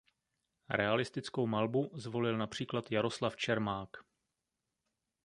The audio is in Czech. Realistickou malbu zvolil například Jaroslav Čermák.